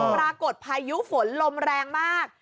ปรากฏพายุฝนลมแรงมาก